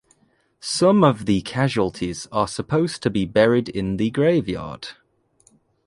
Some of the casualties are supposed to be buried in the graveyard.